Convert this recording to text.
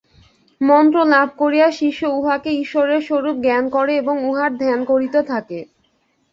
মন্ত্র লাভ করিয়া শিষ্য উহাকে ঈশ্বরের স্বরূপ জ্ঞান করে এবং উহার ধ্যান করিতে থাকে।